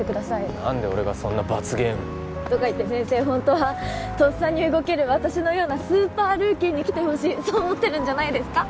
何で俺がそんな罰ゲームとか言って先生ホントはとっさに動ける私のようなスーパールーキーに来てほしいそう思ってるんじゃないですか？